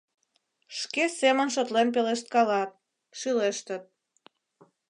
Шке семын шотлен пелешткалат, шӱлештыт.